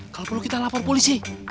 kalau perlu kita lapor polisi